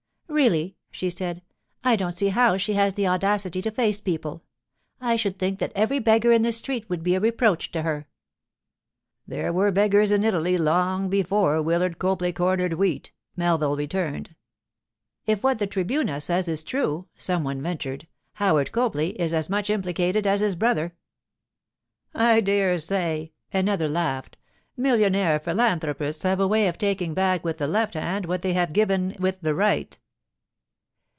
'Really,' she said, 'I don't see how she has the audacity to face people. I should think that every beggar in the street would be a reproach to her.' 'There were beggars in Italy long before Willard Copley cornered wheat,' Melville returned. 'If what the Tribuna says is true,' some one ventured, 'Howard Copley is as much implicated as his brother.' 'I dare say,' another laughed; 'millionaire philanthropists have a way of taking back with the left hand what they have given with the right.